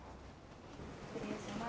失礼します。